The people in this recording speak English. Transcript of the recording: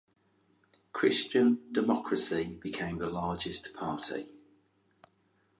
Christian Democracy became the largest party.